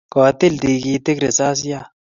Kotil tigitik risasiat